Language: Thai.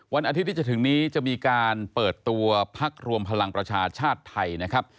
วันอาทิตย์ที่จะถึงนี้จะมีการเปิดตัวพักรวมพลังประชาชาติไทยนะครับ